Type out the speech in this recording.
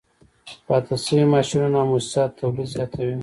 پاتې شوي ماشینونه او موسسات تولید زیاتوي